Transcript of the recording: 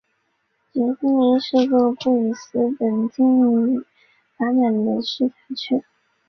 蕨森林是个布里斯本新近发展的市辖区。